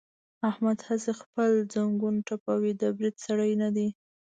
احمد هسې خپل زنګون ټپوي، د برید سړی نه دی.